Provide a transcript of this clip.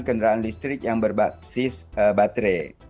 kendaraan listrik yang berbasis baterai